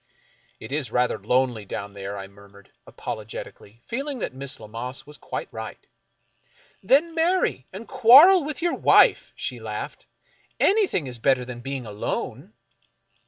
" It is rather lonely down there," I murmured, apolo getically, feeling that Miss Lammas was quite right. " Then marry, and quarrel with your wife," she laughed, " Anything is better than being alone."